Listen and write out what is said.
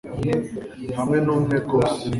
habe n'umwe rwose